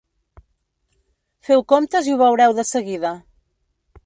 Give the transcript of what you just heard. Feu comptes i ho veureu de seguida.